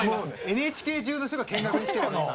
ＮＨＫ中の人が見学に来てるのよ。